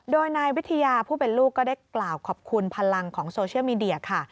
โดยนายวิทยาผู้เป็นลูกก็ได้กล่าวขอบคุณพลังของโซเชียลมีเดียค่ะ